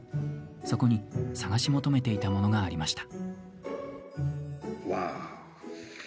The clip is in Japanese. そこに探し求めていたものがありました。